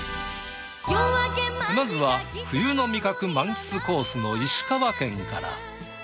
まずは冬の味覚満喫コースの石川県から。